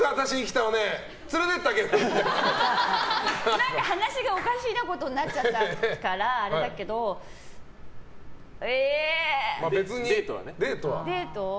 何か話がおかしなことになっちゃったから別にデートは。